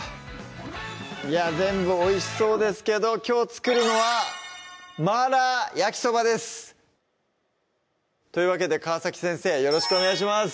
いや全部おいしそうですけどきょう作るのは「麻辣焼きそば」ですというわけで川先生よろしくお願いします